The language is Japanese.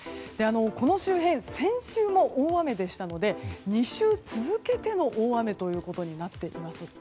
この周辺、先週も大雨でしたので２週続けての大雨ということになっています。